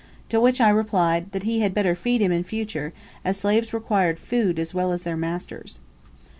To which I replied, that he had better feed him in future, as slaves required food as well as their masters.